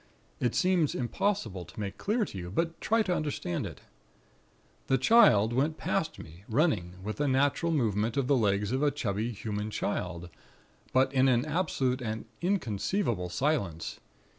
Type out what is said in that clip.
It seems impossible to make clear to you; but try to understand it. "The Child went past me, running, with the natural movement of the legs of a chubby human child, but in an absolute and inconceivable silence.